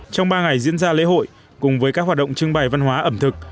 trong ba ngày diễn ra lễ hội cùng với các hoạt động trưng bày văn hóa ẩm thực